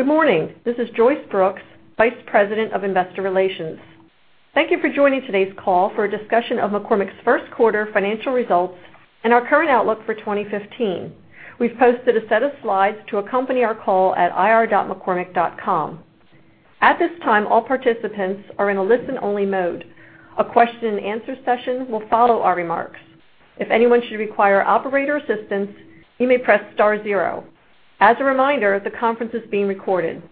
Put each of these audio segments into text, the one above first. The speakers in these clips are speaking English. Good morning. This is Joyce Brooks, Vice President of Investor Relations. Thank you for joining today's call for a discussion of McCormick's first quarter financial results and our current outlook for 2015. We've posted a set of slides to accompany our call at ir.mccormick.com. At this time, all participants are in a listen-only mode. A question and answer session will follow our remarks. If anyone should require operator assistance, you may press star zero. As a reminder, the conference is being recorded.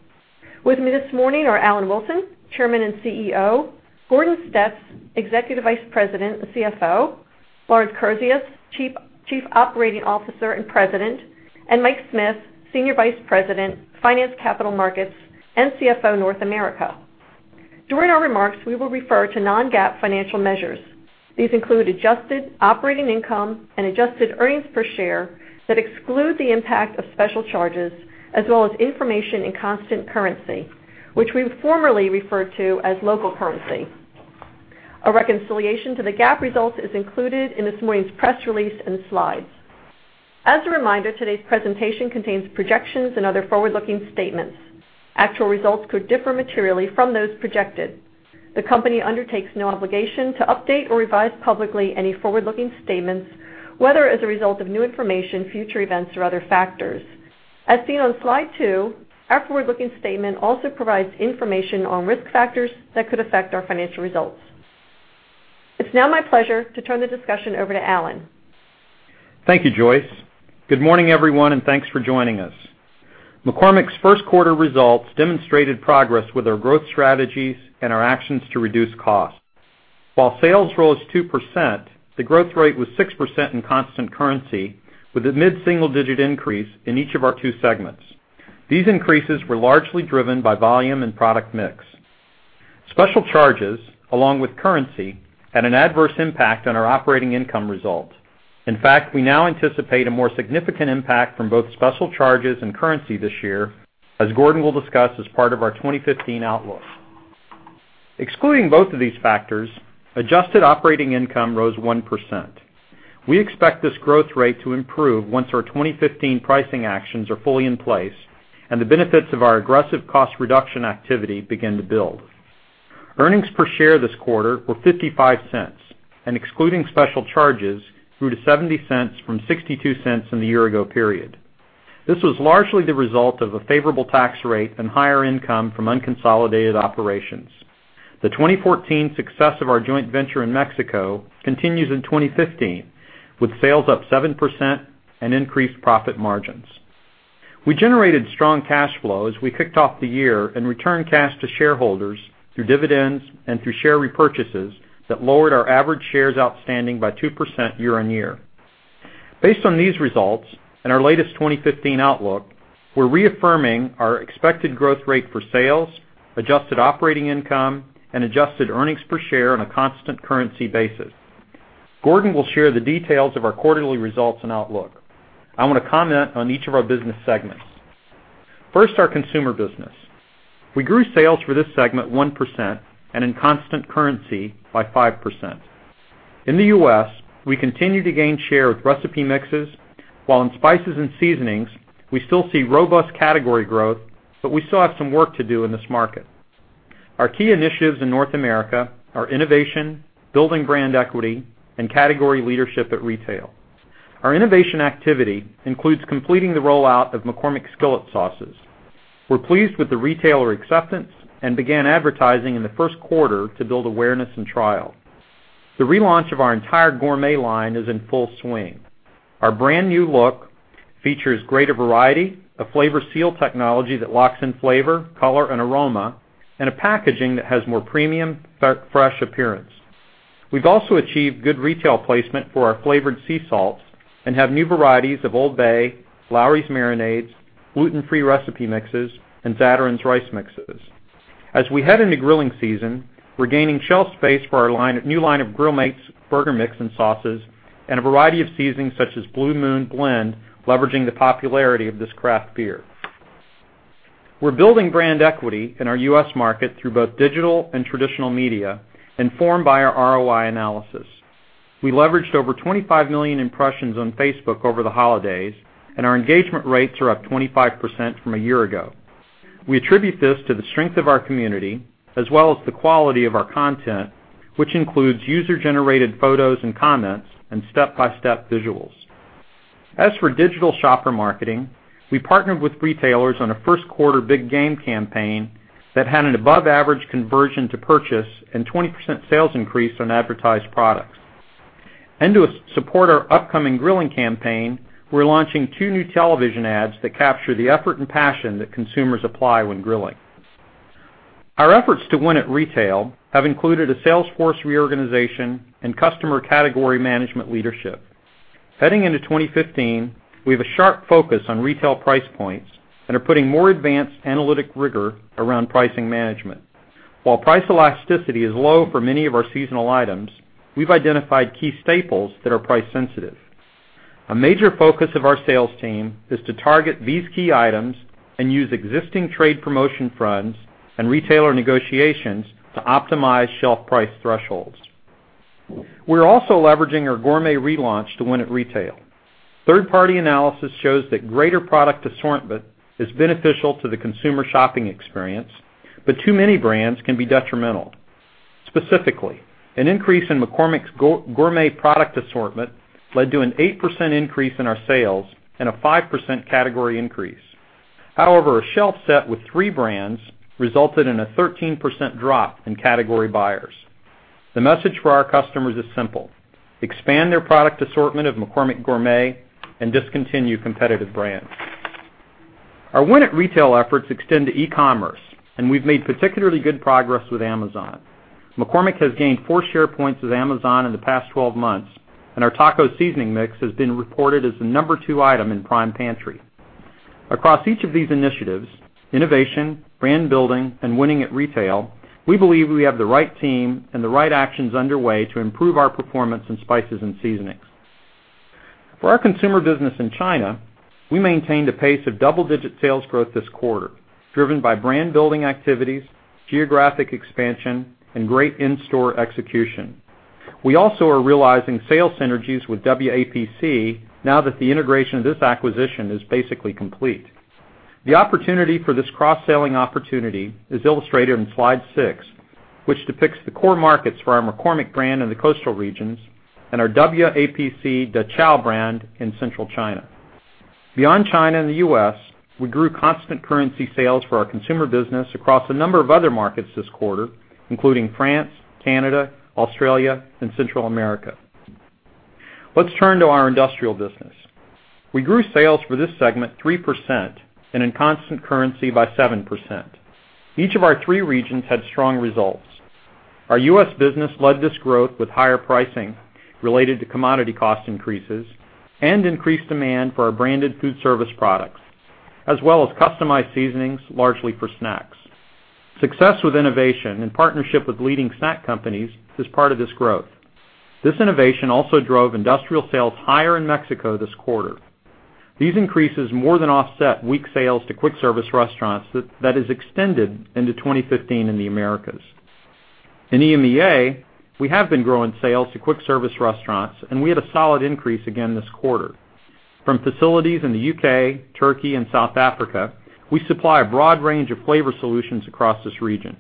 With me this morning are Alan Wilson, Chairman and CEO, Gordon Stetz, Executive Vice President and CFO, Lawrence Kurzius, Chief Operating Officer and President, and Mike Smith, Senior Vice President, Finance, Capital Markets and CFO, North America. During our remarks, we will refer to non-GAAP financial measures. These include adjusted operating income and adjusted earnings per share that exclude the impact of special charges, as well as information in constant currency, which we formerly referred to as local currency. A reconciliation to the GAAP results is included in this morning's press release and slides. As a reminder, today's presentation contains projections and other forward-looking statements. Actual results could differ materially from those projected. The company undertakes no obligation to update or revise publicly any forward-looking statements, whether as a result of new information, future events, or other factors. As seen on Slide 2, our forward-looking statement also provides information on risk factors that could affect our financial results. It's now my pleasure to turn the discussion over to Alan. Thank you, Joyce. Good morning, everyone, and thanks for joining us. McCormick's first quarter results demonstrated progress with our growth strategies and our actions to reduce costs. While sales rose 2%, the growth rate was 6% in constant currency, with a mid-single-digit increase in each of our two segments. These increases were largely driven by volume and product mix. Special charges, along with currency, had an adverse impact on our operating income result. In fact, we now anticipate a more significant impact from both special charges and currency this year, as Gordon will discuss as part of our 2015 outlook. Excluding both of these factors, adjusted operating income rose 1%. We expect this growth rate to improve once our 2015 pricing actions are fully in place and the benefits of our aggressive cost reduction activity begin to build. Earnings per share this quarter were $0.55 and excluding special charges, grew to $0.70 from $0.62 in the year-ago period. This was largely the result of a favorable tax rate and higher income from unconsolidated operations. The 2014 success of our joint venture in Mexico continues in 2015, with sales up 7% and increased profit margins. We generated strong cash flow as we kicked off the year and returned cash to shareholders through dividends and through share repurchases that lowered our average shares outstanding by 2% year-on-year. Based on these results and our latest 2015 outlook, we're reaffirming our expected growth rate for sales, adjusted operating income, and adjusted earnings per share on a constant currency basis. Gordon will share the details of our quarterly results and outlook. I want to comment on each of our business segments. First, our consumer business. We grew sales for this segment 1% and in constant currency by 5%. In the U.S., we continue to gain share with recipe mixes, while in spices and seasonings, we still see robust category growth, but we still have some work to do in this market. Our key initiatives in North America are innovation, building brand equity, and category leadership at retail. Our innovation activity includes completing the rollout of McCormick Skillet Sauces. We're pleased with the retailer acceptance and began advertising in the first quarter to build awareness and trial. The relaunch of our entire Gourmet line is in full swing. Our brand new look features greater variety, a flavor seal technology that locks in flavor, color, and aroma, and a packaging that has more premium, fresh appearance. We've also achieved good retail placement for our flavored sea salts and have new varieties of Old Bay, Lawry's marinades, gluten-free recipe mixes, and Zatarain's rice mixes. As we head into grilling season, we're gaining shelf space for our new line of Grill Mates burger mix and sauces and a variety of seasonings such as Blue Moon Blend, leveraging the popularity of this craft beer. We're building brand equity in our U.S. market through both digital and traditional media, informed by our ROI analysis. We leveraged over 25 million impressions on Facebook over the holidays, and our engagement rates are up 25% from a year ago. We attribute this to the strength of our community as well as the quality of our content, which includes user-generated photos and comments and step-by-step visuals. As for digital shopper marketing, we partnered with retailers on a first quarter big game campaign that had an above average conversion to purchase and 20% sales increase on advertised products. To support our upcoming grilling campaign, we're launching two new television ads that capture the effort and passion that consumers apply when grilling. Our efforts to win at retail have included a sales force reorganization and customer category management leadership. Heading into 2015, we have a sharp focus on retail price points and are putting more advanced analytic rigor around pricing management. While price elasticity is low for many of our seasonal items, we've identified key staples that are price sensitive. A major focus of our sales team is to target these key items and use existing trade promotion funds and retailer negotiations to optimize shelf price thresholds. We're also leveraging our Gourmet relaunch to win at retail. Third-party analysis shows that greater product assortment is beneficial to the consumer shopping experience, too many brands can be detrimental. Specifically, an increase in McCormick's Gourmet product assortment led to an 8% increase in our sales and a 5% category increase. However, a shelf set with three brands resulted in a 13% drop in category buyers. The message for our customers is simple: expand their product assortment of McCormick Gourmet and discontinue competitive brands. Our win at retail efforts extend to e-commerce, and we've made particularly good progress with Amazon. McCormick has gained four share points with Amazon in the past 12 months, and our taco seasoning mix has been reported as the number two item in Prime Pantry. Across each of these initiatives, innovation, brand building, and winning at retail, we believe we have the right team and the right actions underway to improve our performance in spices and seasonings. For our consumer business in China, we maintained a pace of double-digit sales growth this quarter, driven by brand-building activities, geographic expansion, and great in-store execution. We also are realizing sales synergies with WAPC now that the integration of this acquisition is basically complete. The opportunity for this cross-selling opportunity is illustrated on slide six, which depicts the core markets for our McCormick brand in the coastal regions and our WAPC DaQiao brand in central China. Beyond China and the U.S., we grew constant currency sales for our consumer business across a number of other markets this quarter, including France, Canada, Australia, and Central America. Let's turn to our industrial business. We grew sales for this segment 3%, and in constant currency by 7%. Each of our three regions had strong results. Our U.S. business led this growth with higher pricing related to commodity cost increases and increased demand for our branded food service products, as well as customized seasonings, largely for snacks. Success with innovation in partnership with leading snack companies is part of this growth. This innovation also drove industrial sales higher in Mexico this quarter. These increases more than offset weak sales to quick service restaurants that has extended into 2015 in the Americas. In EMEA, we have been growing sales to quick service restaurants, and we had a solid increase again this quarter. From facilities in the U.K., Turkey, and South Africa, we supply a broad range of flavor solutions across this region.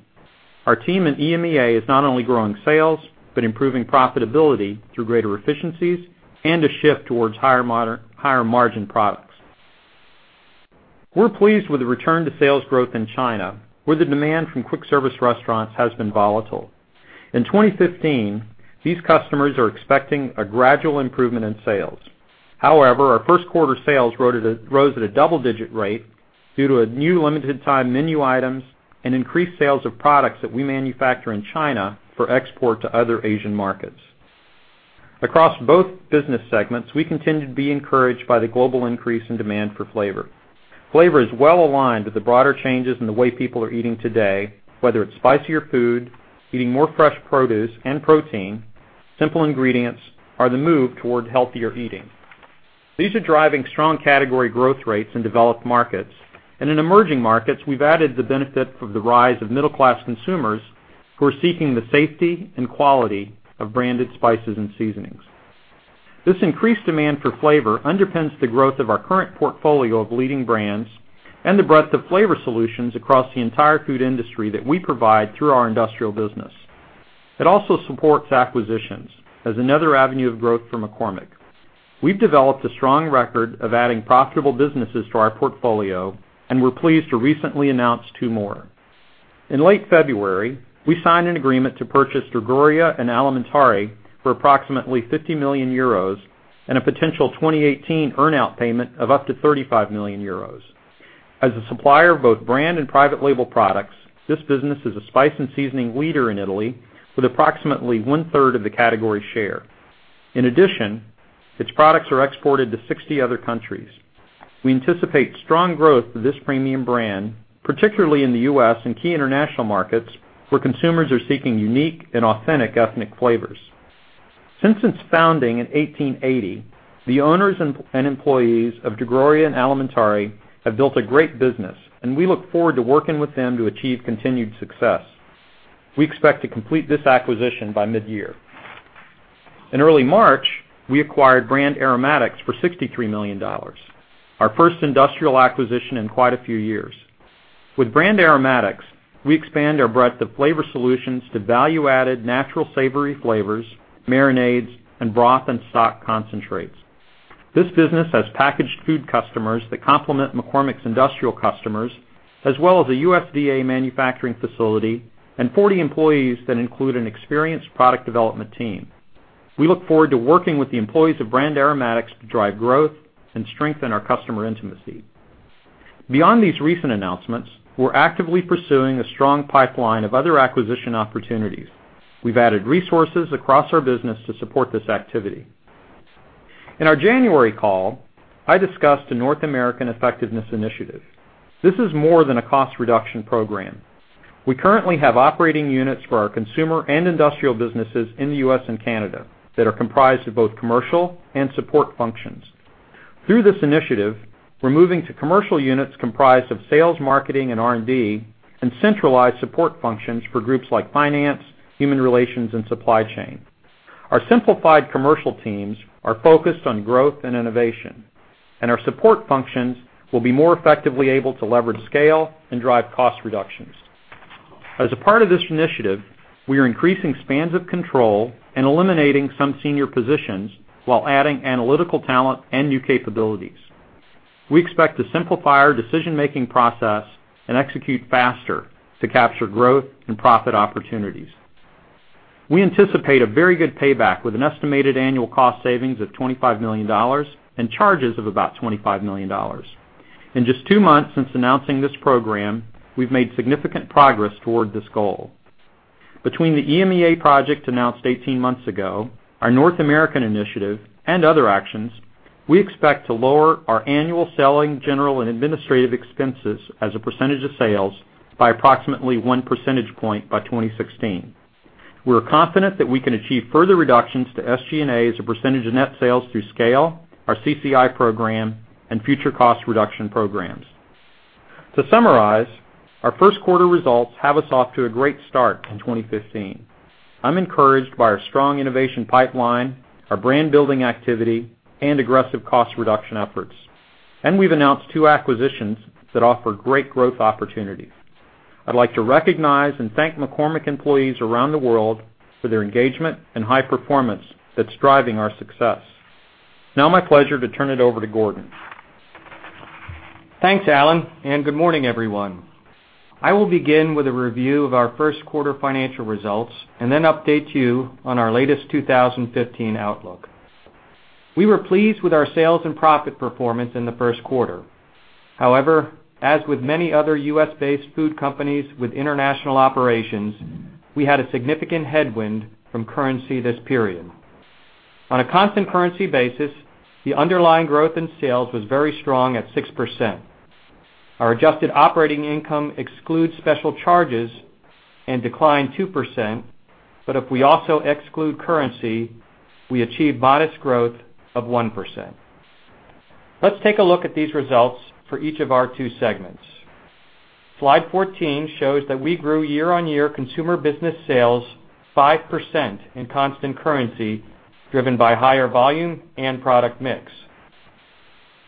Our team in EMEA is not only growing sales but improving profitability through greater efficiencies and a shift towards higher margin products. We're pleased with the return to sales growth in China, where the demand from quick service restaurants has been volatile. In 2015, these customers are expecting a gradual improvement in sales. However, our first quarter sales rose at a double-digit rate due to new limited time menu items and increased sales of products that we manufacture in China for export to other Asian markets. Across both business segments, we continue to be encouraged by the global increase in demand for flavor. Flavor is well aligned with the broader changes in the way people are eating today, whether it's spicier food, eating more fresh produce and protein, simple ingredients, or the move toward healthier eating. These are driving strong category growth rates in developed markets. In emerging markets, we've added the benefit from the rise of middle-class consumers who are seeking the safety and quality of branded spices and seasonings. This increased demand for flavor underpins the growth of our current portfolio of leading brands and the breadth of flavor solutions across the entire food industry that we provide through our industrial business. It also supports acquisitions as another avenue of growth for McCormick. We've developed a strong record of adding profitable businesses to our portfolio, and we're pleased to recently announce two more. In late February, we signed an agreement to purchase Drogheria & Alimentari for approximately €50 million and a potential 2018 earn-out payment of up to €35 million. As a supplier of both brand and private label products, this business is a spice and seasoning leader in Italy with approximately one-third of the category share. In addition, its products are exported to 60 other countries. We anticipate strong growth for this premium brand, particularly in the U.S. and key international markets where consumers are seeking unique and authentic ethnic flavors. Since its founding in 1880, the owners and employees of Drogheria & Alimentari have built a great business. We look forward to working with them to achieve continued success. We expect to complete this acquisition by mid-year. In early March, we acquired Brand Aromatics for $63 million, our first industrial acquisition in quite a few years. With Brand Aromatics, we expand our breadth of flavor solutions to value-added natural savory flavors, marinades, and broth and stock concentrates. This business has packaged food customers that complement McCormick's industrial customers, as well as a USDA manufacturing facility and 40 employees that include an experienced product development team. We look forward to working with the employees of Brand Aromatics to drive growth and strengthen our customer intimacy. Beyond these recent announcements, we're actively pursuing a strong pipeline of other acquisition opportunities. We've added resources across our business to support this activity. In our January call, I discussed a North American effectiveness initiative. This is more than a cost reduction program. We currently have operating units for our consumer and industrial businesses in the U.S. and Canada that are comprised of both commercial and support functions. Through this initiative, we're moving to commercial units comprised of sales, marketing, and R&D, and centralized support functions for groups like finance, human relations, and supply chain. Our simplified commercial teams are focused on growth and innovation. Our support functions will be more effectively able to leverage scale and drive cost reductions. As a part of this initiative, we are increasing spans of control and eliminating some senior positions while adding analytical talent and new capabilities. We expect to simplify our decision-making process and execute faster to capture growth and profit opportunities. We anticipate a very good payback with an estimated annual cost savings of $25 million and charges of about $25 million. In just two months since announcing this program, we've made significant progress toward this goal. Between the EMEA project announced 18 months ago, our North American initiative, and other actions, we expect to lower our annual selling, general, and administrative expenses as a percentage of sales by approximately one percentage point by 2016. We're confident that we can achieve further reductions to SG&A as a percentage of net sales through scale, our CCI program, and future cost reduction programs. To summarize, our first quarter results have us off to a great start in 2015. I'm encouraged by our strong innovation pipeline, our brand-building activity, and aggressive cost reduction efforts. We've announced two acquisitions that offer great growth opportunities. I'd like to recognize and thank McCormick employees around the world for their engagement and high performance that's driving our success. Now my pleasure to turn it over to Gordon. Thanks, Alan, and good morning, everyone. I will begin with a review of our first quarter financial results and then update you on our latest 2015 outlook. We were pleased with our sales and profit performance in the first quarter. However, as with many other U.S.-based food companies with international operations, we had a significant headwind from currency this period. On a constant currency basis, the underlying growth in sales was very strong at 6%. Our adjusted operating income excludes special charges and declined 2%, but if we also exclude currency, we achieved modest growth of 1%. Let's take a look at these results for each of our two segments. Slide 14 shows that we grew year-over-year consumer business sales 5% in constant currency, driven by higher volume and product mix.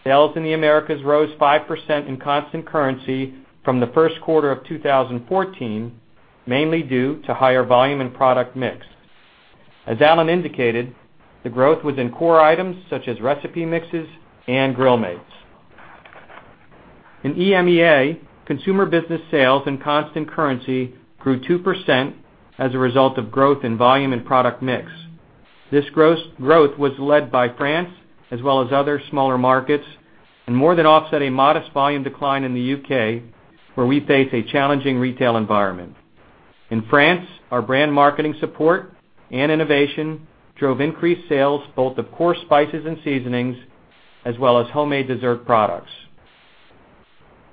Sales in the Americas rose 5% in constant currency from the first quarter of 2014, mainly due to higher volume and product mix. As Alan indicated, the growth was in core items such as recipe mixes and Grill Mates. In EMEA, consumer business sales in constant currency grew 2% as a result of growth in volume and product mix. This growth was led by France as well as other smaller markets and more than offset a modest volume decline in the U.K., where we face a challenging retail environment. In France, our brand marketing support and innovation drove increased sales, both of core spices and seasonings, as well as homemade dessert products.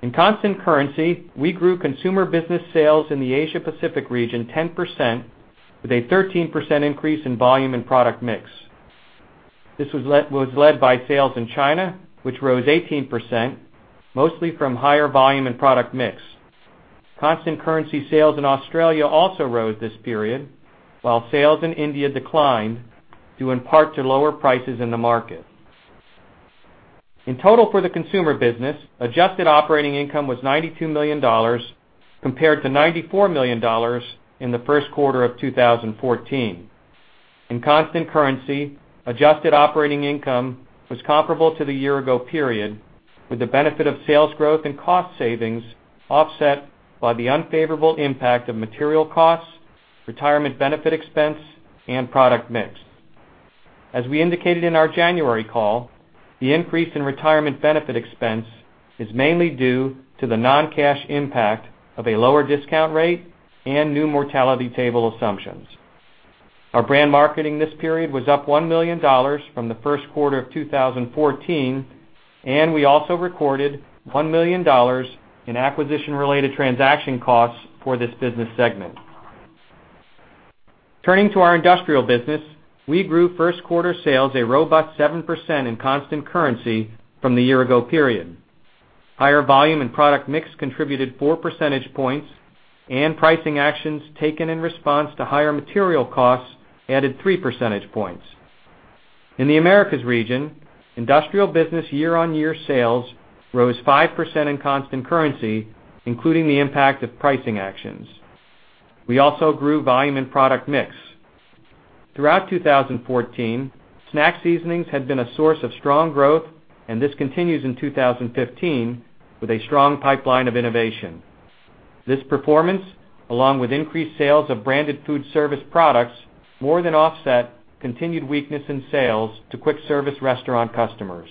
In constant currency, we grew consumer business sales in the Asia Pacific region 10%, with a 13% increase in volume and product mix. This was led by sales in China, which rose 18%, mostly from higher volume and product mix. Constant currency sales in Australia also rose this period, while sales in India declined due in part to lower prices in the market. In total for the consumer business, adjusted operating income was $92 million, compared to $94 million in the first quarter of 2014. In constant currency, adjusted operating income was comparable to the year-ago period, with the benefit of sales growth and cost savings offset by the unfavorable impact of material costs, retirement benefit expense, and product mix. As we indicated in our January call, the increase in retirement benefit expense is mainly due to the non-cash impact of a lower discount rate and new mortality table assumptions. Our brand marketing this period was up $1 million from the first quarter of 2014. We also recorded $1 million in acquisition-related transaction costs for this business segment. Turning to our industrial business, we grew first quarter sales a robust 7% in constant currency from the year-ago period. Higher volume and product mix contributed four percentage points, and pricing actions taken in response to higher material costs added three percentage points. In the Americas region, industrial business year-over-year sales rose 5% in constant currency, including the impact of pricing actions. We also grew volume and product mix. Throughout 2014, snack seasonings had been a source of strong growth, and this continues in 2015 with a strong pipeline of innovation. This performance, along with increased sales of branded food service products, more than offset continued weakness in sales to quick service restaurant customers.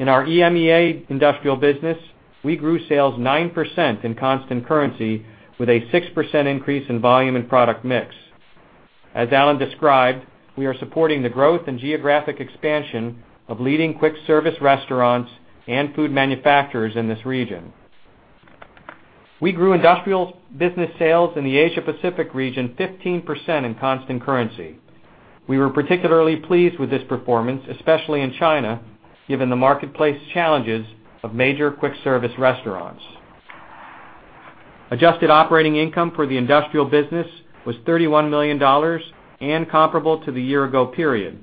In our EMEA industrial business, we grew sales 9% in constant currency with a 6% increase in volume and product mix. As Alan described, we are supporting the growth and geographic expansion of leading quick service restaurants and food manufacturers in this region. We grew industrial business sales in the Asia Pacific region 15% in constant currency. We were particularly pleased with this performance, especially in China, given the marketplace challenges of major quick-service restaurants. Adjusted operating income for the industrial business was $31 million and comparable to the year-ago period.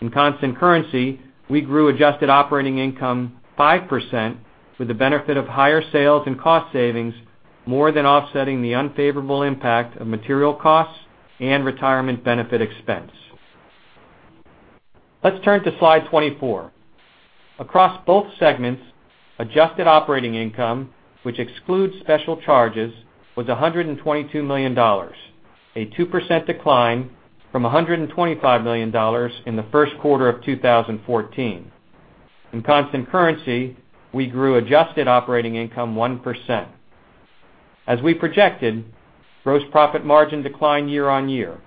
In constant currency, we grew adjusted operating income 5%, with the benefit of higher sales and cost savings, more than offsetting the unfavorable impact of material costs and retirement benefit expense. Let's turn to slide 24. Across both segments, adjusted operating income, which excludes special charges, was $122 million, a 2% decline from $125 million in the first quarter of 2014. In constant currency, we grew adjusted operating income 1%. As we projected, gross profit margin declined year-on-year.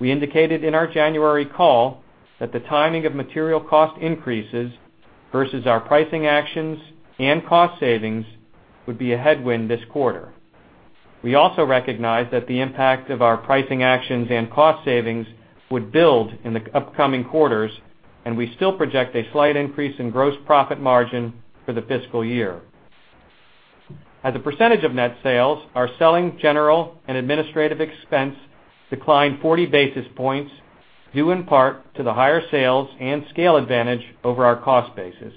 We indicated in our January call that the timing of material cost increases versus our pricing actions and cost savings would be a headwind this quarter. We also recognized that the impact of our pricing actions and cost savings would build in the upcoming quarters, and we still project a slight increase in gross profit margin for the fiscal year. As a percentage of net sales, our selling, general, and administrative expense declined 40 basis points, due in part to the higher sales and scale advantage over our cost bases.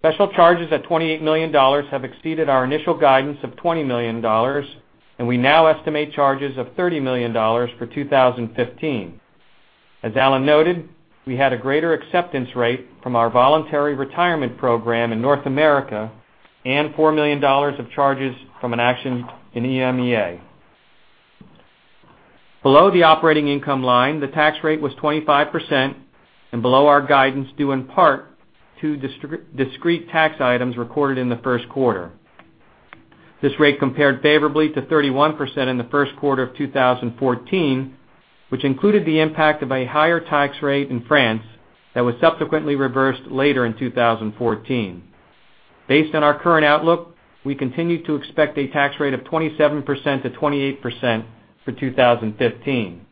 Special charges at $28 million have exceeded our initial guidance of $20 million, and we now estimate charges of $30 million for 2015. As Alan noted, we had a greater acceptance rate from our voluntary retirement program in North America and $4 million of charges from an action in EMEA. Below the operating income line, the tax rate was 25% and below our guidance due in part to discrete tax items recorded in the first quarter. This rate compared favorably to 31% in the first quarter of 2014, which included the impact of a higher tax rate in France that was subsequently reversed later in 2014. Based on our current outlook, we continue to expect a tax rate of 27%-28% for 2015.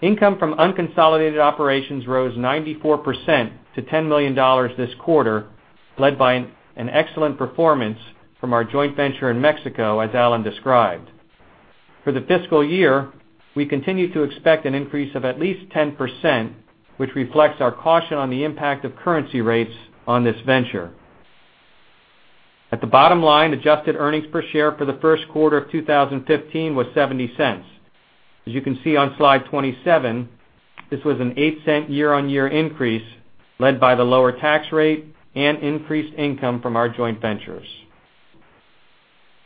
Income from unconsolidated operations rose 94% to $10 million this quarter, led by an excellent performance from our joint venture in Mexico, as Alan described. For the fiscal year, we continue to expect an increase of at least 10%, which reflects our caution on the impact of currency rates on this venture. At the bottom line, adjusted earnings per share for the first quarter of 2015 was $0.70. As you can see on slide 27, this was an $0.08 year-on-year increase led by the lower tax rate and increased income from our joint ventures.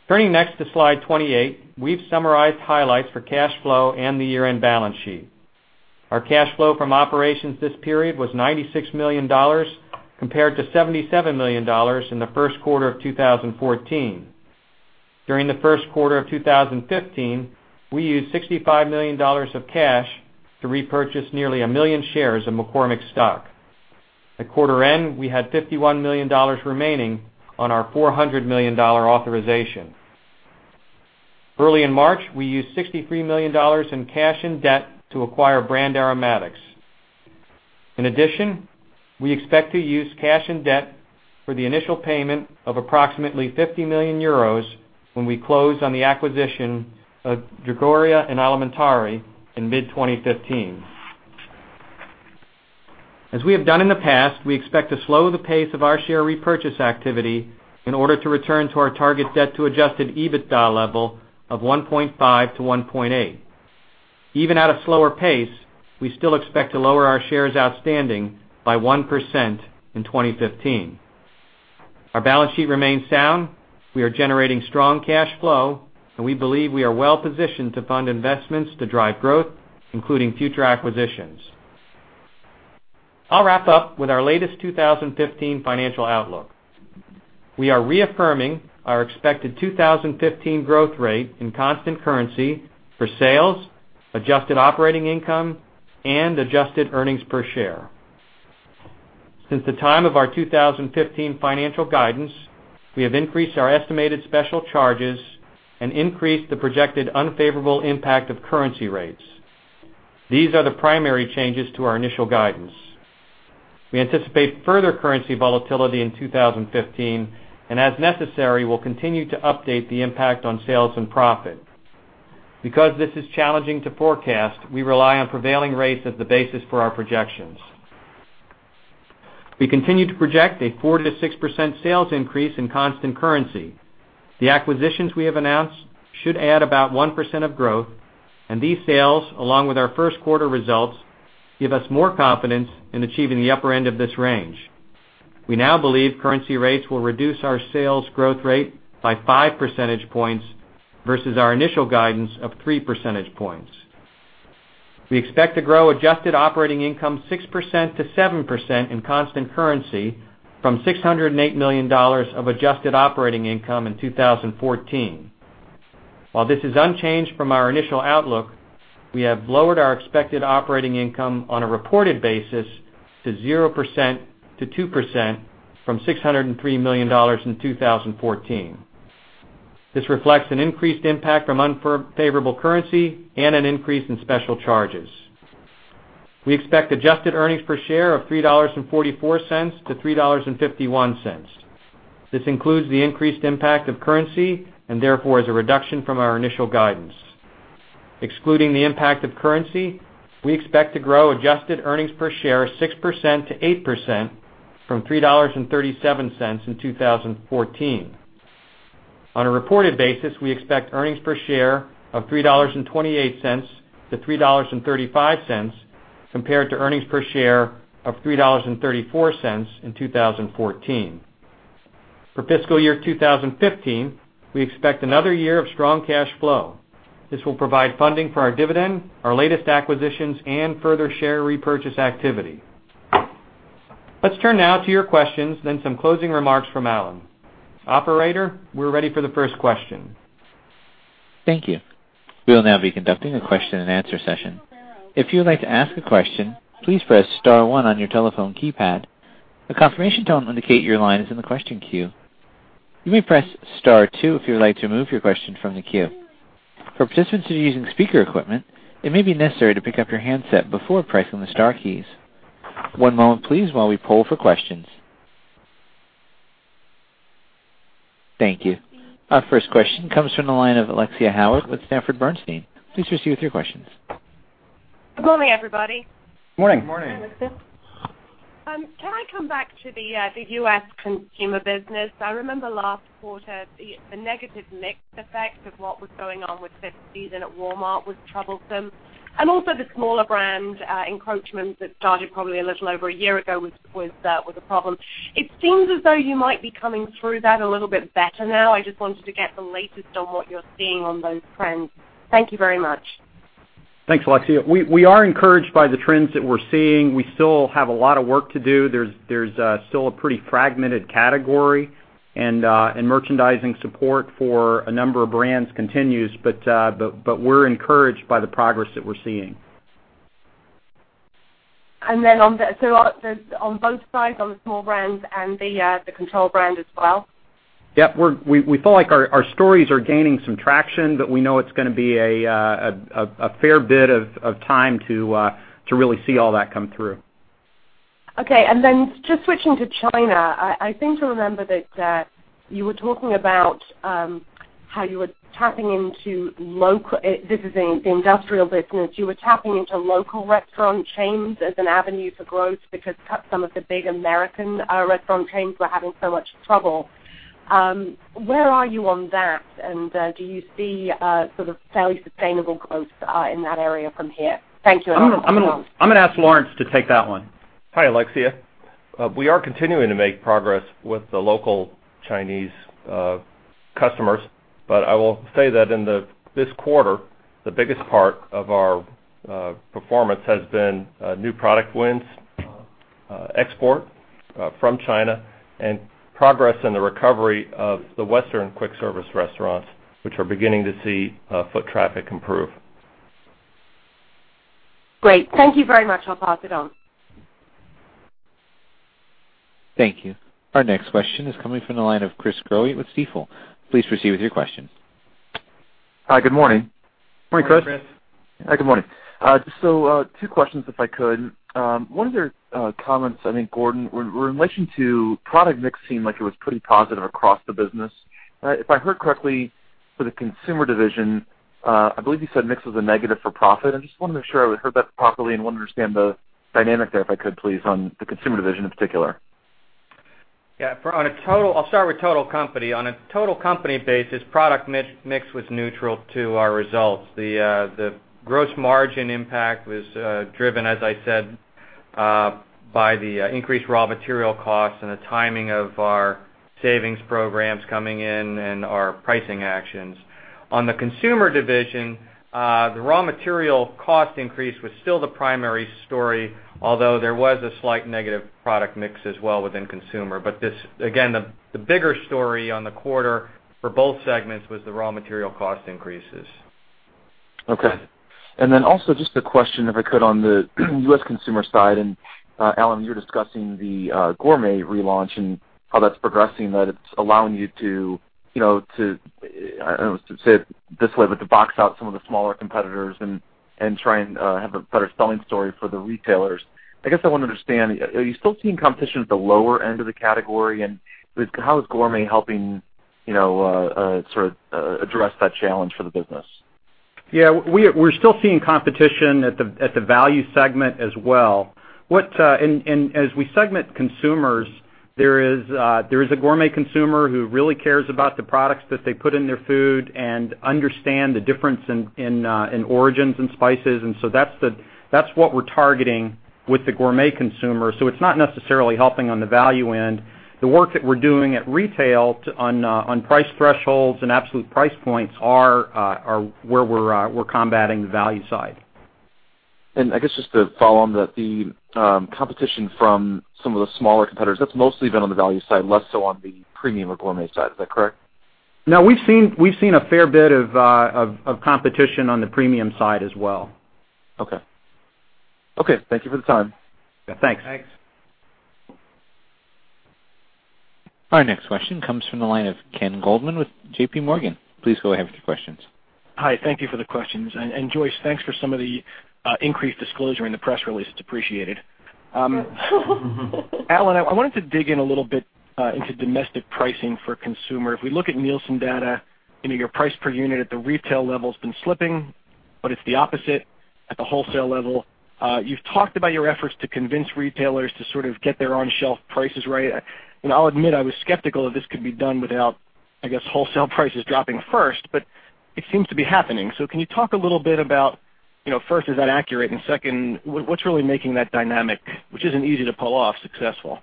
Turning next to slide 28. We've summarized highlights for cash flow and the year-end balance sheet. Our cash flow from operations this period was $96 million, compared to $77 million in the first quarter of 2014. During the first quarter of 2015, we used $65 million of cash to repurchase nearly a million shares of McCormick stock. At quarter end, we had $51 million remaining on our $400 million authorization. Early in March, we used $63 million in cash and debt to acquire Brand Aromatics. In addition, we expect to use cash and debt for the initial payment of approximately €50 million when we close on the acquisition of Drogheria & Alimentari in mid-2015. As we have done in the past, we expect to slow the pace of our share repurchase activity in order to return to our target debt to adjusted EBITDA level of 1.5-1.8. Even at a slower pace, we still expect to lower our shares outstanding by 1% in 2015. Our balance sheet remains sound. We are generating strong cash flow, and we believe we are well positioned to fund investments to drive growth, including future acquisitions. I'll wrap up with our latest 2015 financial outlook. We are reaffirming our expected 2015 growth rate in constant currency for sales, adjusted operating income, and adjusted earnings per share. Since the time of our 2015 financial guidance, we have increased our estimated special charges and increased the projected unfavorable impact of currency rates. These are the primary changes to our initial guidance. We anticipate further currency volatility in 2015, and as necessary, we'll continue to update the impact on sales and profit. Because this is challenging to forecast, we rely on prevailing rates as the basis for our projections. We continue to project a 4%-6% sales increase in constant currency. The acquisitions we have announced should add about 1% of growth, and these sales, along with our first quarter results, give us more confidence in achieving the upper end of this range. We now believe currency rates will reduce our sales growth rate by five percentage points versus our initial guidance of three percentage points. We expect to grow adjusted operating income 6%-7% in constant currency from $608 million of adjusted operating income in 2014. While this is unchanged from our initial outlook, we have lowered our expected operating income on a reported basis to 0%-2% from $603 million in 2014. This reflects an increased impact from unfavorable currency and an increase in special charges. We expect adjusted earnings per share of $3.44-$3.51. This includes the increased impact of currency and therefore is a reduction from our initial guidance. Excluding the impact of currency, we expect to grow adjusted earnings per share 6%-8% from $3.37 in 2014. On a reported basis, we expect earnings per share of $3.28-$3.35, compared to earnings per share of $3.34 in 2014. For fiscal year 2015, we expect another year of strong cash flow. This will provide funding for our dividend, our latest acquisitions, and further share repurchase activity. Let's turn now to your questions, then some closing remarks from Alan. Operator, we're ready for the first question. Thank you. We will now be conducting a question and answer session. If you would like to ask a question, please press *1 on your telephone keypad. A confirmation tone will indicate your line is in the question queue. You may press *2 if you would like to remove your question from the queue. For participants who are using speaker equipment, it may be necessary to pick up your handset before pressing the star keys. One moment, please, while we poll for questions. Thank you. Our first question comes from the line of Alexia Howard with Sanford Bernstein. Please proceed with your questions. Good morning, everybody. Morning. Good morning. Can I come back to the U.S. consumer business? I remember last quarter, the negative mix effect of what was going on with 50s and at Walmart was troublesome, and also the smaller brand encroachment that started probably a little over a year ago was a problem. It seems as though you might be coming through that a little bit better now. I just wanted to get the latest on what you're seeing on those trends. Thank you very much. Thanks, Alexia. We are encouraged by the trends that we're seeing. We still have a lot of work to do. There's still a pretty fragmented category, and merchandising support for a number of brands continues, we're encouraged by the progress that we're seeing. On both sides, on the small brands and the control brand as well? Yeah. We feel like our stories are gaining some traction, we know it's going to be a fair bit of time to really see all that come through. Okay, just switching to China, I seem to remember that you were talking about how you were tapping into local this is in the industrial business. You were tapping into local restaurant chains as an avenue for growth because some of the big American restaurant chains were having so much trouble. Where are you on that? Do you see sort of fairly sustainable growth in that area from here? Thank you. I'm going to ask Lawrence to take that one. Hi, Alexia. We are continuing to make progress with the local Chinese customers, I will say that in this quarter, the biggest part of our performance has been new product wins, export from China, and progress in the recovery of the Western quick service restaurants, which are beginning to see foot traffic improve. Great. Thank you very much. I'll pass it on. Thank you. Our next question is coming from the line of Chris Growe with Stifel. Please proceed with your question. Hi, good morning. Morning, Chris. Hi, good morning. Two questions, if I could. One of your comments, I think, Gordon, in relation to product mix seemed like it was pretty positive across the business. If I heard correctly for the consumer division, I believe you said mix was a negative for profit. I just wanted to make sure I heard that properly and want to understand the dynamic there, if I could please, on the consumer division in particular. Yeah. I'll start with total company. On a total company basis, product mix was neutral to our results. The gross margin impact was driven, as I said, by the increased raw material costs and the timing of our savings programs coming in and our pricing actions. On the consumer division, the raw material cost increase was still the primary story, although there was a slight negative product mix as well within consumer. Again, the bigger story on the quarter for both segments was the raw material cost increases. Okay. Also just a question, if I could, on the U.S. consumer side, Alan, you were discussing the Gourmet relaunch and how that's progressing, that it's allowing you to, I don't know how to say it this way, but to box out some of the smaller competitors and try and have a better selling story for the retailers. I guess I want to understand, are you still seeing competition at the lower end of the category? How is Gourmet helping address that challenge for the business? Yeah, we're still seeing competition at the value segment as well. As we segment consumers, there is a Gourmet consumer who really cares about the products that they put in their food and understand the difference in origins and spices, that's what we're targeting with the Gourmet consumer. It's not necessarily helping on the value end. The work that we're doing at retail on price thresholds and absolute price points are where we're combating the value side. I guess just to follow on that, the competition from some of the smaller competitors, that's mostly been on the value side, less so on the premium or Gourmet side. Is that correct? No, we've seen a fair bit of competition on the premium side as well. Okay. Thank you for the time. Yeah, thanks. Thanks. Our next question comes from the line of Ken Goldman with J.P. Morgan. Please go ahead with your questions. Hi. Thank you for the questions. Joyce, thanks for some of the increased disclosure in the press release. It's appreciated. Alan, I wanted to dig in a little bit into domestic pricing for consumer. If we look at Nielsen data, your price per unit at the retail level has been slipping, it's the opposite at the wholesale level. You've talked about your efforts to convince retailers to sort of get their own shelf prices right. I'll admit, I was skeptical that this could be done without, I guess, wholesale prices dropping first, it seems to be happening. Can you talk a little bit about, first, is that accurate? And second, what's really making that dynamic, which isn't easy to pull off, successful?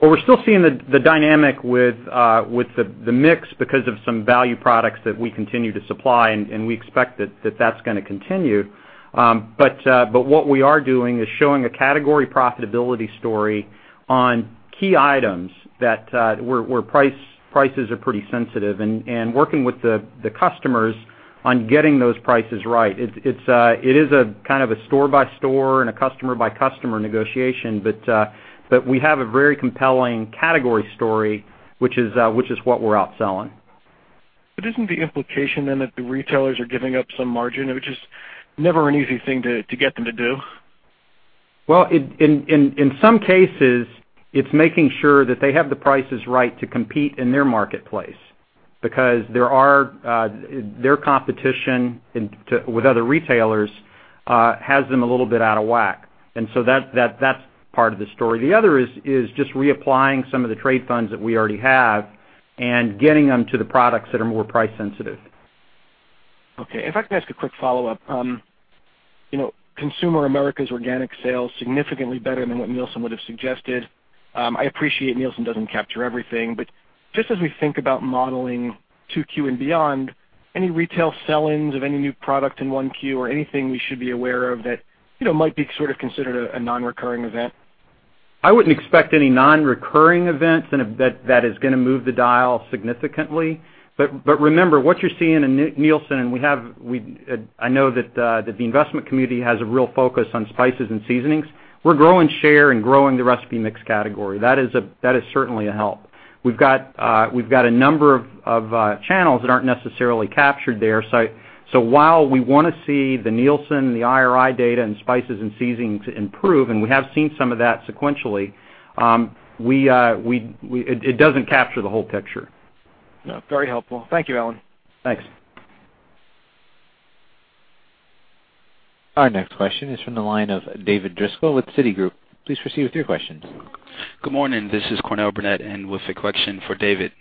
Well, we're still seeing the dynamic with the mix because of some value products that we continue to supply. We expect that that's going to continue. What we are doing is showing a category profitability story on key items where prices are pretty sensitive and working with the customers on getting those prices right. It is a kind of a store-by-store and a customer-by-customer negotiation. We have a very compelling category story, which is what we're out selling. Isn't the implication then that the retailers are giving up some margin, which is never an easy thing to get them to do? Well, in some cases, it's making sure that they have the prices right to compete in their marketplace because their competition with other retailers has them a little bit out of whack. That's part of the story. The other is just reapplying some of the trade funds that we already have and getting them to the products that are more price sensitive. Okay. If I could ask a quick follow-up. Consumer Americas organic sales significantly better than what Nielsen would have suggested. I appreciate Nielsen doesn't capture everything. Just as we think about modeling 2Q and beyond, any retail sell-ins of any new product in 1Q or anything we should be aware of that might be sort of considered a non-recurring event? I wouldn't expect any non-recurring events that is going to move the dial significantly. Remember, what you're seeing in Nielsen, and I know that the investment community has a real focus on spices and seasonings. We're growing share and growing the recipe mix category. That is certainly a help. We've got a number of channels that aren't necessarily captured there. So while we want to see the Nielsen and the IRI data and spices and seasonings improve, and we have seen some of that sequentially, it doesn't capture the whole picture. Very helpful. Thank you, Alan. Thanks. Our next question is from the line of David Driscoll with Citigroup. Please proceed with your question. Good morning. This is Cornell Burnette in with a question for David.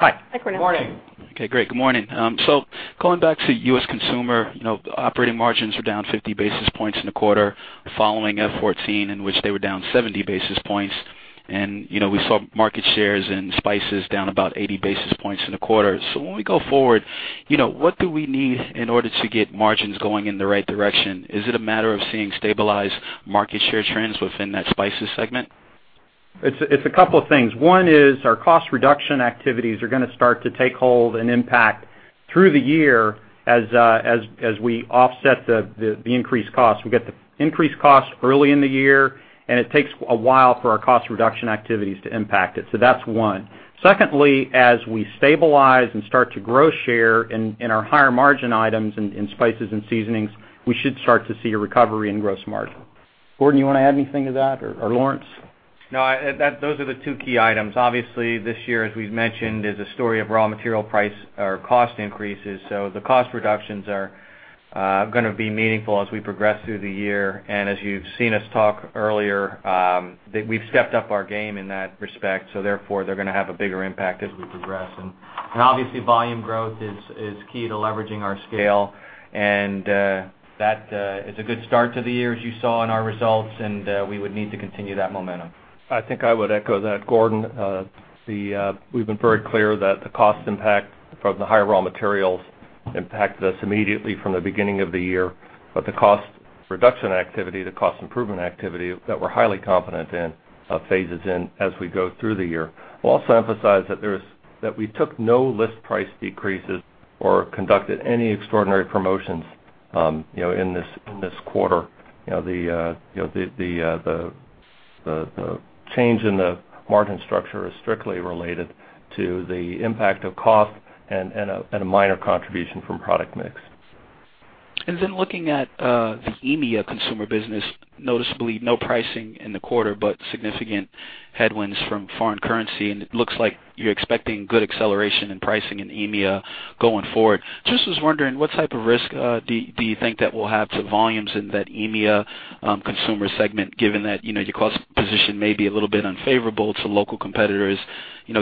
Hi. Hi, Cornell. Morning. Okay, great. Good morning. Going back to U.S. Consumer, operating margins were down 50 basis points in the quarter following FY 2014 in which they were down 70 basis points. We saw market shares and spices down about 80 basis points in the quarter. When we go forward, what do we need in order to get margins going in the right direction? Is it a matter of seeing stabilized market share trends within that spices segment? It's a couple of things. One is our cost reduction activities are going to start to take hold and impact through the year as we offset the increased costs. We get the increased costs early in the year, and it takes a while for our cost reduction activities to impact it. That's one. Secondly, as we stabilize and start to grow share in our higher margin items in spices and seasonings, we should start to see a recovery in gross margin. Gordon, you want to add anything to that, or Lawrence? No, those are the two key items. Obviously, this year, as we've mentioned, is a story of raw material price or cost increases. The cost reductions are going to be meaningful as we progress through the year. As you've seen us talk earlier, that we've stepped up our game in that respect, therefore, they're going to have a bigger impact as we progress. Obviously, volume growth is key to leveraging our scale, and that is a good start to the year as you saw in our results, and we would need to continue that momentum. I think I would echo that, Gordon. We've been very clear that the cost impact from the higher raw materials impacted us immediately from the beginning of the year, but the cost reduction activity, the cost improvement activity that we're highly confident in phases in as we go through the year. I'll also emphasize that we took no list price decreases or conducted any extraordinary promotions in this quarter. The change in the margin structure is strictly related to the impact of cost and a minor contribution from product mix. Looking at the EMEA consumer business, noticeably no pricing in the quarter, but significant headwinds from foreign currency, and it looks like you're expecting good acceleration in pricing in EMEA going forward. Just was wondering, what type of risk do you think that we'll have to volumes in that EMEA consumer segment, given that your cost position may be a little bit unfavorable to local competitors,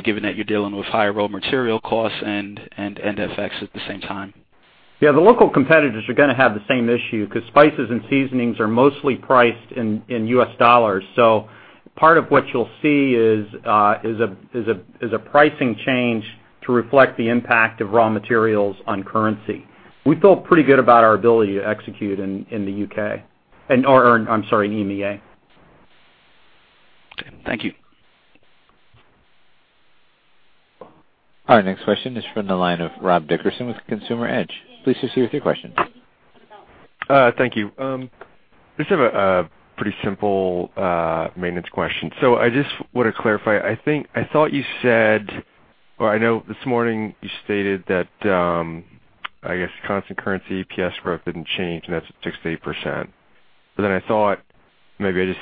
given that you're dealing with higher raw material costs and FX at the same time? Yeah, the local competitors are going to have the same issue because spices and seasonings are mostly priced in U.S. dollars. Part of what you'll see is a pricing change to reflect the impact of raw materials on currency. We feel pretty good about our ability to execute in the U.K. or, I'm sorry, in EMEA. Thank you. Our next question is from the line of Rob Dickerson with Consumer Edge. Please proceed with your question. Thank you. I just have a pretty simple maintenance question. I just want to clarify, I thought you said, or I know this morning you stated that, I guess constant currency EPS growth didn't change, and that's at 6%-8%. I thought, maybe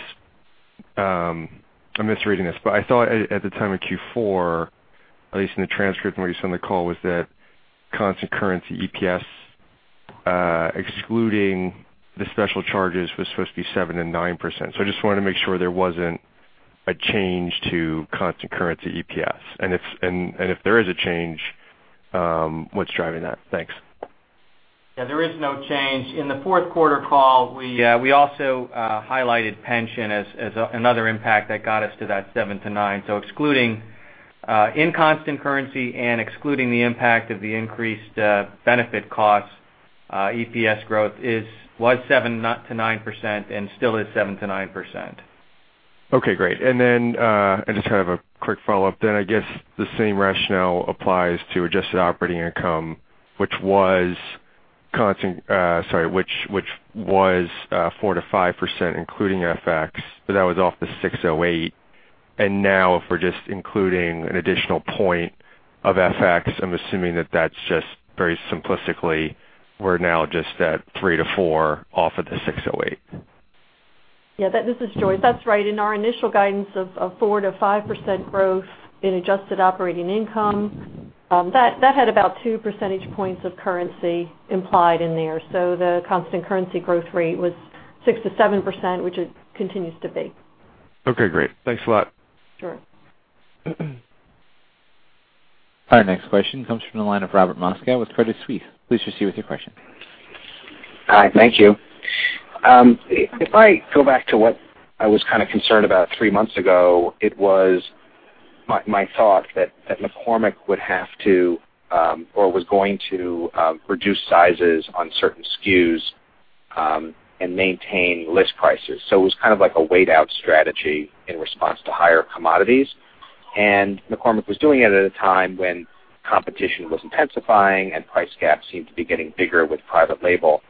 I'm misreading this, but I thought at the time of Q4, at least in the transcript, and what you said on the call, was that constant currency EPS, excluding the special charges, was supposed to be 7%-9%. I just wanted to make sure there wasn't a change to constant currency EPS. And if there is a change, what's driving that? Thanks. There is no change. In the fourth quarter call, we also highlighted pension as another impact that got us to that 7%-9%. Excluding in constant currency and excluding the impact of the increased benefit costs, EPS growth was 7%-9% and still is 7%-9%. Okay, great. I just have a quick follow-up then. I guess the same rationale applies to adjusted operating income, which was 4%-5%, including FX, but that was off the 608. For just including an additional point of FX, I'm assuming that that's just very simplistically, we're now just at 3%-4% off of the 608. Yeah. This is Joyce. That's right. In our initial guidance of 4%-5% growth in adjusted operating income, that had about 2 percentage points of currency implied in there. The constant currency growth rate was 6%-7%, which it continues to be. Okay, great. Thanks a lot. Sure. Our next question comes from the line of Robert Moskow with Credit Suisse. Please proceed with your question. Hi, thank you. If I go back to what I was kind of concerned about three months ago, it was my thought that McCormick would have to, or was going to, reduce sizes on certain SKUs, and maintain list prices. It was kind of like a wait-out strategy in response to higher commodities, and McCormick was doing it at a time when competition was intensifying and price gaps seemed to be getting bigger with private label.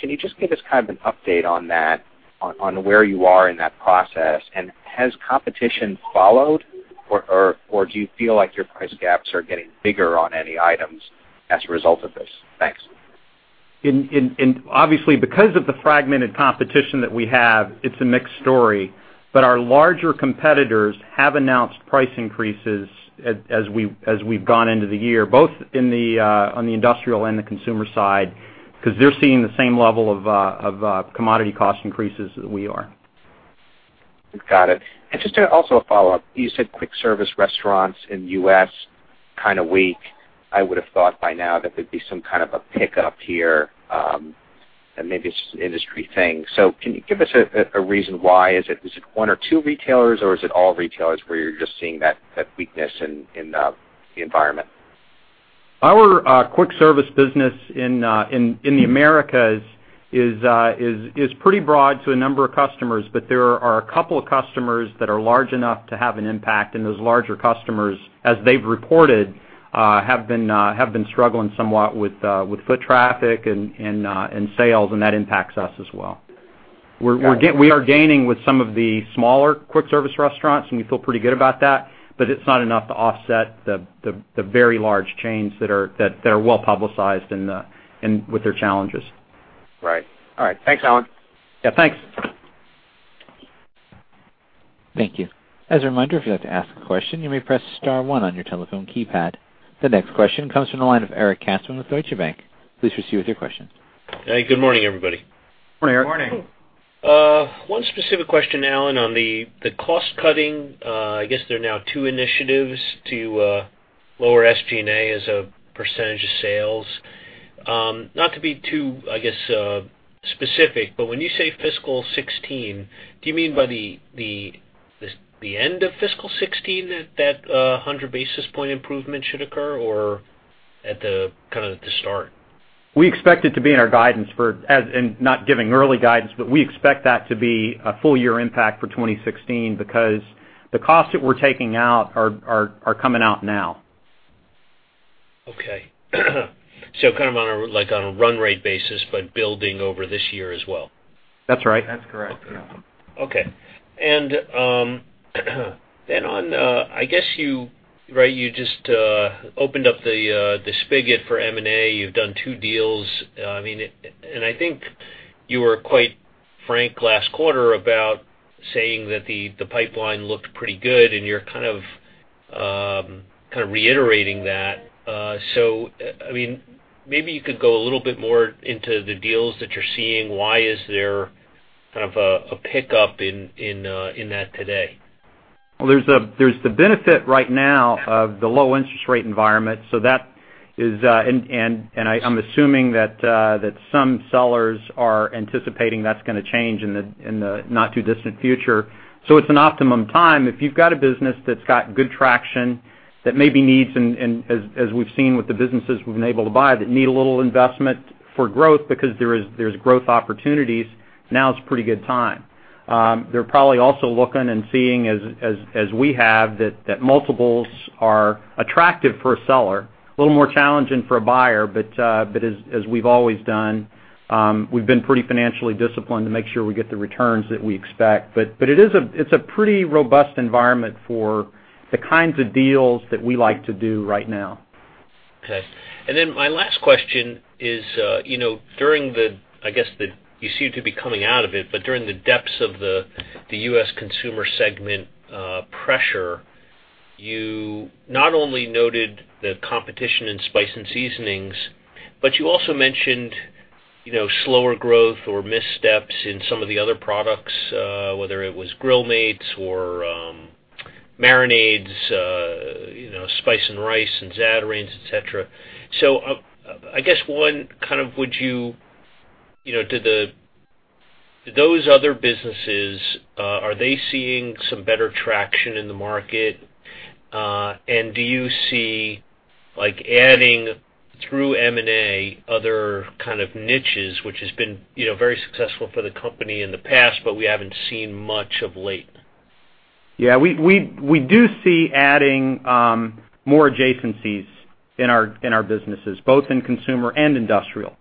Can you just give us kind of an update on that, on where you are in that process, and has competition followed, or do you feel like your price gaps are getting bigger on any items as a result of this? Thanks. Obviously because of the fragmented competition that we have, it's a mixed story, but our larger competitors have announced price increases as we've gone into the year, both on the industrial and the consumer side, because they're seeing the same level of commodity cost increases that we are. Got it. Just also a follow-up. You said quick service restaurants in the U.S., kind of weak. I would have thought by now that there'd be some kind of a pickup here, and maybe it's just an industry thing. Can you give us a reason why? Is it one or two retailers, or is it all retailers where you're just seeing that weakness in the environment? Our quick service business in the Americas is pretty broad to a number of customers, but there are a couple of customers that are large enough to have an impact. Those larger customers, as they've reported, have been struggling somewhat with foot traffic and sales, and that impacts us as well. We are gaining with some of the smaller quick service restaurants, and we feel pretty good about that, but it's not enough to offset the very large chains that are well-publicized with their challenges. Right. All right. Thanks, Alan. Yeah, thanks. Thank you. As a reminder, if you'd like to ask a question, you may press star one on your telephone keypad. The next question comes from the line of Eric Katzman with Deutsche Bank. Please proceed with your question. Hey, good morning, everybody. Morning, Eric. Morning. One specific question, Alan, on the cost cutting. I guess there are now two initiatives to lower SG&A as a percentage of sales. Not to be too, I guess, specific, but when you say fiscal 2016, do you mean by the end of fiscal 2016 that that 100 basis points improvement should occur, or at the start? We expect it to be in our guidance for, and not giving early guidance, but we expect that to be a full-year impact for 2016 because the costs that we're taking out are coming out now. Okay. Kind of on a run rate basis, but building over this year as well. That's right. That's correct. Yeah. Okay. On the, I guess, you just opened up the spigot for M&A. You've done two deals. I think you were quite frank last quarter about saying that the pipeline looked pretty good, and you're kind of reiterating that. Maybe you could go a little bit more into the deals that you're seeing. Why is there kind of a pickup in that today? There's the benefit right now of the low interest rate environment, and I'm assuming that some sellers are anticipating that's going to change in the not too distant future. It's an optimum time. If you've got a business that's got good traction, that maybe needs, and as we've seen with the businesses we've been able to buy, that need a little investment for growth because there's growth opportunities, now is a pretty good time. They're probably also looking and seeing, as we have, that multiples are attractive for a seller. A little more challenging for a buyer, but as we've always done, we've been pretty financially disciplined to make sure we get the returns that we expect. It's a pretty robust environment for the kinds of deals that we like to do right now. My last question is, during the, I guess you seem to be coming out of it, during the depths of the U.S. consumer segment pressure, you not only noted the competition in spice and seasonings, but you also mentioned slower growth or missteps in some of the other products, whether it was Grill Mates or marinades, spice and rice and Zatarain's, et cetera. I guess, one, those other businesses, are they seeing some better traction in the market? Do you see adding through M&A other kind of niches, which has been very successful for the company in the past, but we haven't seen much of late. Yeah. We do see adding more adjacencies in our businesses, both in consumer and industrial.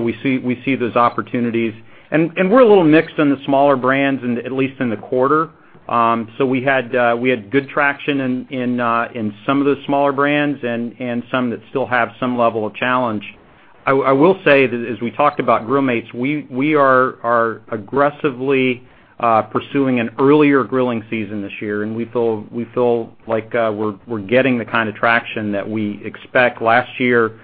We see those opportunities. We're a little mixed on the smaller brands, at least in the quarter. We had good traction in some of the smaller brands and some that still have some level of challenge. I will say that as we talked about Grill Mates, we are aggressively pursuing an earlier grilling season this year, and we feel like we're getting the kind of traction that we expect. Last year,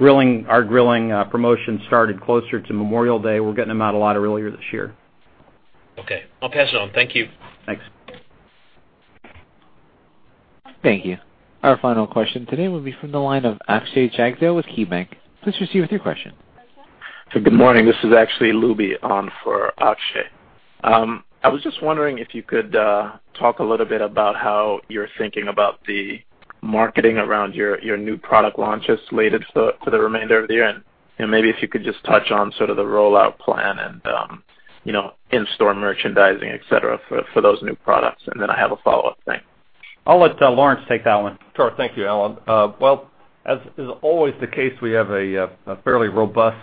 our grilling promotion started closer to Memorial Day. We're getting them out a lot earlier this year. Okay. I'll pass it on. Thank you. Thanks. Thank you. Our final question today will be from the line of Akshay Jagdale with KeyBanc. Please proceed with your question. Good morning. This is actually [Luby] on for Akshay. I was just wondering if you could talk a little bit about how you're thinking about the marketing around your new product launches slated for the remainder of the year, and maybe if you could just touch on sort of the rollout plan and in-store merchandising, et cetera, for those new products. I have a follow-up. Thanks. I'll let Lawrence take that one. Sure. Thank you, Alan. Well, as is always the case, we have a fairly robust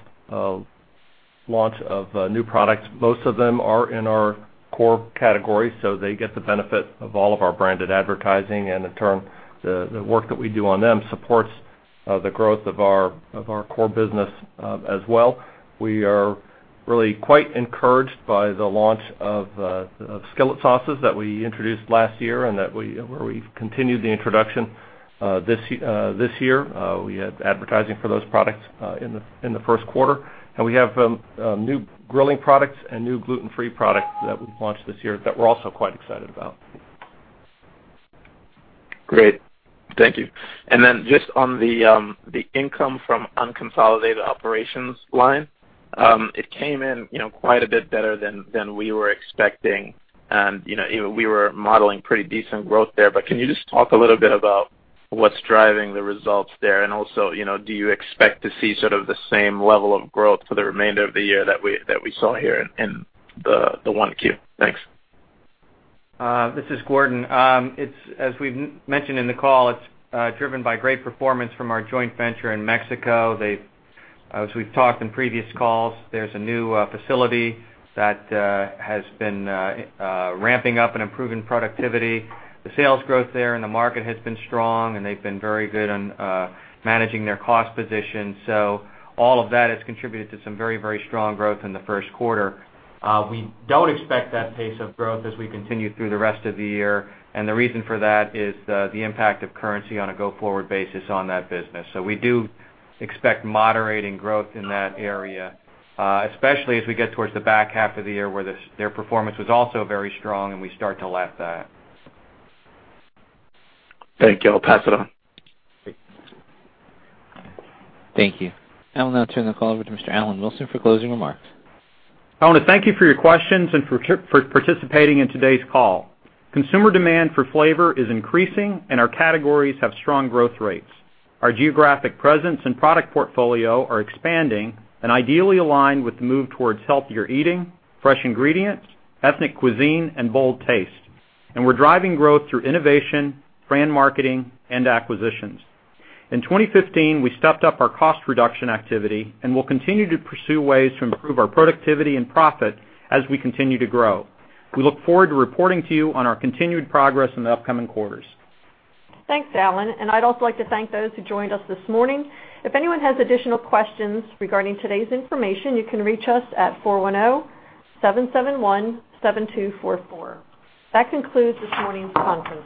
launch of new products. Most of them are in our core categories, so they get the benefit of all of our branded advertising, and in turn, the work that we do on them supports the growth of our core business as well. We are really quite encouraged by the launch of Skillet Sauces that we introduced last year and where we've continued the introduction this year. We had advertising for those products in the first quarter. We have new grilling products and new gluten-free products that we've launched this year that we're also quite excited about. Great. Thank you. Just on the income from unconsolidated operations line, it came in quite a bit better than we were expecting, we were modeling pretty decent growth there, can you just talk a little bit about what's driving the results there? Do you expect to see sort of the same level of growth for the remainder of the year that we saw here in the 1 Q? Thanks. This is Gordon. As we've mentioned in the call, it's driven by great performance from our joint venture in Mexico. As we've talked in previous calls, there's a new facility that has been ramping up and improving productivity. The sales growth there in the market has been strong, and they've been very good on managing their cost position. All of that has contributed to some very strong growth in the first quarter. We don't expect that pace of growth as we continue through the rest of the year, the reason for that is the impact of currency on a go-forward basis on that business. We do expect moderating growth in that area, especially as we get towards the back half of the year where their performance was also very strong, and we start to lap that. Thank you. I'll pass it on. Thank you. I'll now turn the call over to Mr. Alan Wilson for closing remarks. I want to thank you for your questions and for participating in today's call. Consumer demand for flavor is increasing, and our categories have strong growth rates. Our geographic presence and product portfolio are expanding and ideally aligned with the move towards healthier eating, fresh ingredients, ethnic cuisine, and bold taste. We're driving growth through innovation, brand marketing, and acquisitions. In 2015, we stepped up our cost reduction activity and will continue to pursue ways to improve our productivity and profit as we continue to grow. We look forward to reporting to you on our continued progress in the upcoming quarters. Thanks, Alan, and I'd also like to thank those who joined us this morning. If anyone has additional questions regarding today's information, you can reach us at 410-771-7244. That concludes this morning's conference.